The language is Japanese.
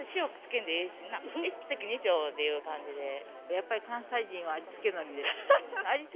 やっぱり関西人は味付けのりです。